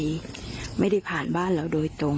แล้วก็ให้น้ำจากบ้านเขาลงคลอมผ่านที่สุดท้าย